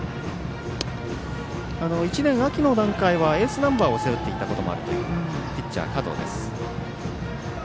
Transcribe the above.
１年秋の段階はエースナンバーを背負っていたこともあるというピッチャー、加藤です。